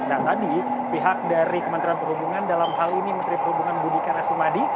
dan tadi pihak dari kementerian perhubungan dalam hal ini menteri perhubungan budi karasumadi